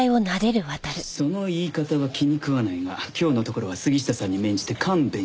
その言い方は気にくわないが今日のところは杉下さんに免じて勘弁してやろう。